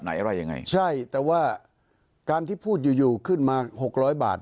อะไรยังไงใช่แต่ว่าการที่พูดอยู่อยู่ขึ้นมาหกร้อยบาท